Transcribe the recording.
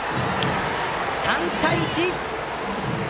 ３対１！